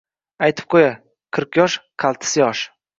Aytib qo‘yay: qirq yosh — qaltis yosh.